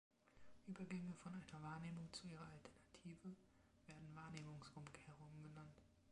Übergänge von einer Wahrnehmung zu ihrer Alternative werden Wahrnehmungsumkehrungen genannt.